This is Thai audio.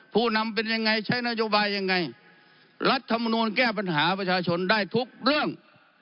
ผู้นำเป็นยังไงใช้นโยบายยังไงรัฐมนูลแก้ปัญหาประชาชนได้ทุกเรื่อง